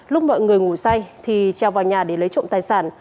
lúc mọi người ngủ say thì treo vào nhà để lấy trộm tài sản